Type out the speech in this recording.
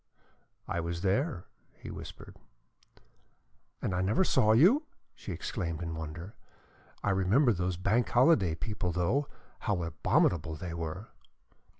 "I was there," he whispered. "And I never saw you!" she exclaimed in wonder. "I remember those Bank Holiday people, though, how abominable they were."